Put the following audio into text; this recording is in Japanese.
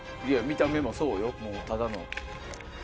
いや見た目もそうよただの。